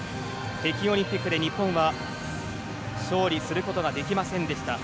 北京オリンピックで日本は勝利することができませんでした。